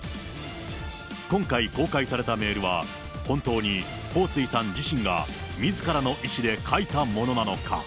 今回、公開されたメールは、本当に彭帥さん自身がみずからの意思で書いたものなのか。